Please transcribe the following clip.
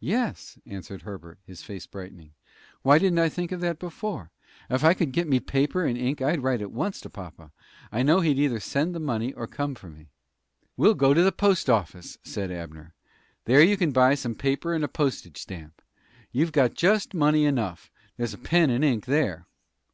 "Yes," answered Herbert, his face brightening. "Why didn't I think of that before? If I could get me paper and ink I'd write at once to papa. I know he'd either send the money or come for me." "We'll go to the post office," said Abner. "There you can buy some paper and a postage stamp. You've got just money enough. There's a pen and ink there."